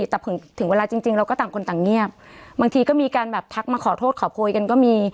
แต่ถึงเวลาจริงเราก็ต่างคนต่างเงียบบางทีก็มีการแบบทักมาขอโทษขอโพยกันก็มี